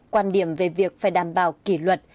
quan điểm về việc phải đảm bảo kỷ luật